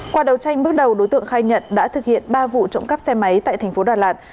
qua đầu tranh bước đầu đối tượng khai nhận đã thực hiện ba vụ trộm cắp xe máy tại thành phố đà lạt